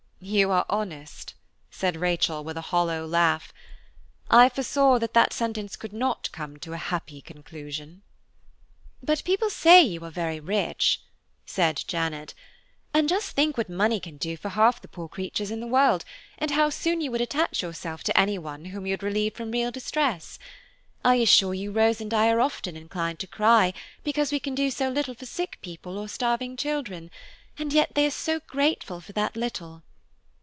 "You are honest," said Rachel, with a hollow laugh, "I foresaw that that sentence could not come to a happy conclusion." "But people say you are very rich," said Janet, "and just think what money can do for half the poor creatures in the world, and how soon you would attach yourself to any one whom you had relieved from real distress; I assure you Rose and I are often inclined to cry because we can do so little for sick people or starving children, and yet they are so grateful for that little.